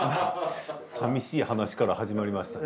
寂しい話から始まりましたね。